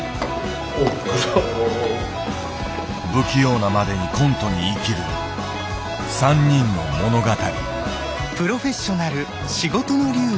不器用なまでにコントに生きる３人の物語。